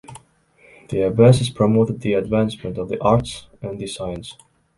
The abbesses promoted the advancement of the arts and the science.